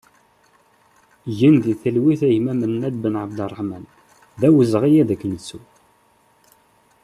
Gen di talwit a gma Menad Benabderreḥman, d awezɣi ad k-nettu!